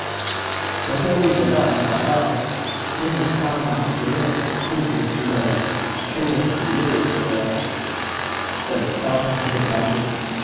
伯特利得到拿到知名哈蒙学院入学许可的薛门史瑞德等高中同学的帮助。